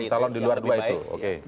calon di luar dua itu